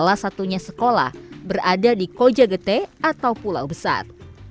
salah satunya sekolah berada di koja gete atau pulau besar